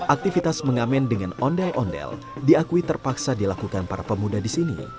aktivitas mengamen dengan ondel ondel diakui terpaksa dilakukan para pemuda di sini